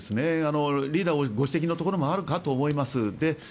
リーダーご指摘のところもあると思います。